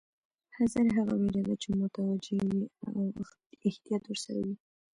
حذر هغه وېره ده چې متوجه یې او احتیاط ورسره وي.